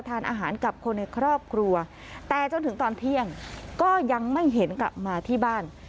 ทานอาหารกับคนในครอบครัวแต่จนถึงตอนเที่ยงก็ยังไม่เห็นกลับมาที่บ้าน